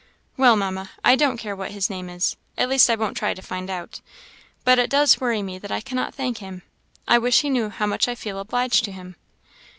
"Well, Mamma, I don't care what his name is at least I won't try to find out; but it does worry me that I cannot thank him. I wish he knew how much I feel obliged to him."